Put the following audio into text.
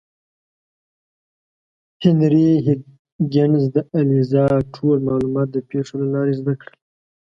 هنري هیګینز د الیزا ټول معلومات د پیښو له لارې زده کړل.